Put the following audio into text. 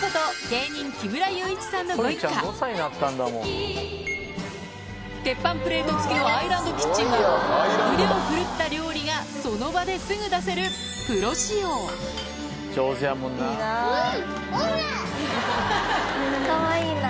芸人鉄板プレート付きのアイランドキッチンは腕を振るった料理がその場ですぐ出せる上手やもんな。